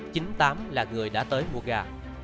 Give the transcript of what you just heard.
chính tám là người đã tới mua ga